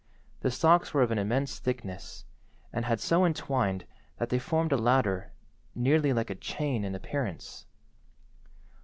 The stalks were of an immense thickness, and had so entwined that they formed a ladder nearly like a chain in appearance.